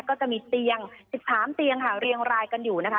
ก็จะมีเตียง๑๓เตียงค่ะเรียงรายกันอยู่นะคะ